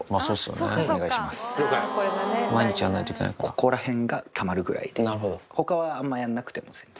ここら辺がたまるぐらいで他はあんまやんなくても全然。